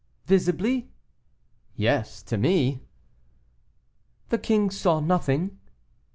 "Visibly?" "Yes, to me." "The king saw nothing?"